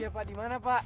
iya pak dimana pak